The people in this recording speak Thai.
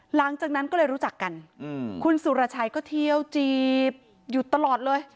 หลังจากนั้นก็เลยรู้จักกันคุณสุรชัยก็เที่ยวจีบอยู่ตลอดเลย